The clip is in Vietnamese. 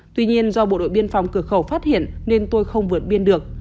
tuy nhiên do bộ đội biên phòng cửa khẩu phát hiện nên tôi không vượt biên được